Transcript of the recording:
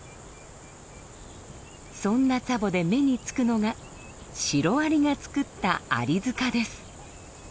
そんなツァボで目に付くのがシロアリが作ったアリ塚です。